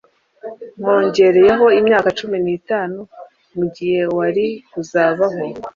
Nkongereyeho imyaka cumi n’itanu ku gihe wari kuzabaho.